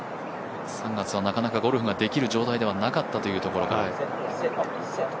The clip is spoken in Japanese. ３月はなかなかゴルフができる状態ではなかったというところが。